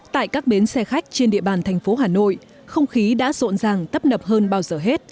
tại các bến xe khách trên địa bàn thành phố hà nội không khí đã rộn ràng tấp nập hơn bao giờ hết